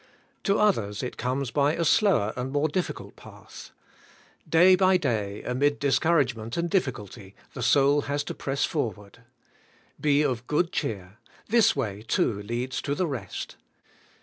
To others it comes by a slower and more difficult path. Day by day, amid discouragement and diffi culty, the soul has to press forward. Be of good cheer; this way too leads to the rest.